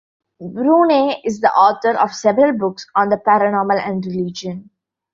Brune is the author of several books on the paranormal and religion.